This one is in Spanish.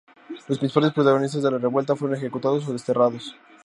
Los principales protagonistas de la revuelta fueron ejecutados o desterrados.